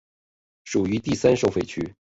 属于第三收费区。